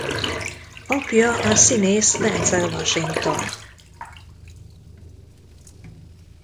Apja a színész Denzel Washington.